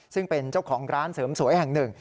ซึ่งเป็นเจ้าของร้านเสริมสวยแห่งหนึ่ง